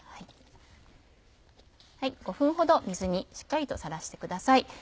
５分ほど水にしっかりとさらしてください。